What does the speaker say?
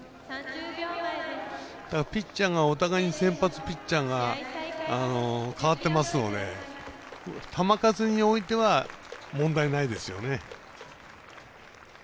先発ピッチャーがお互いに代わってますので球数においては問題ないですよね。